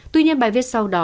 tuy nhiên bài viết sau